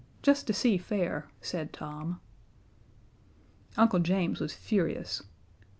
"Just to see fair," said Tom. Uncle James was furious.